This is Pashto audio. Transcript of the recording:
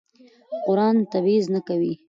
قرآن تبعیض نه کوي.